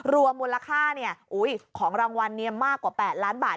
รวมมูลค่าเนี่ยของรางวัลเนี่ยมากกว่า๘ล้านบาท